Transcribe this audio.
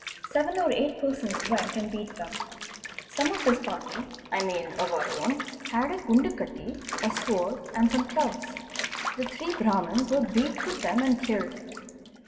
Seven or eight persons went and beat them. Some of this party (I mean — of our own) had a gandkatti, a sword, and some clubs. The three Brahmans were beaten with them and killed.